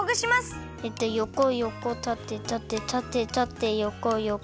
えっとよこよこたてたてたてたてよこよこ。